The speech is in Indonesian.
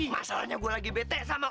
masalahnya gue lagi bete sama